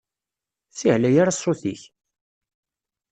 Ur ssiεlay ara ssut-ik!